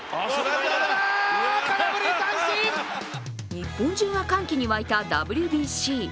日本中が歓喜に沸いたＷＢＣ。